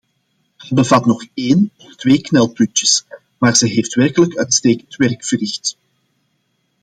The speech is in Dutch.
Het bevat nog één of twee knelpuntjes, maar ze heeft werkelijk uitstekend werk verricht.